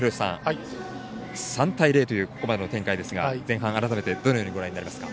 ３対０というここまでの展開ですが前半、改めてどのようにご覧になりますか？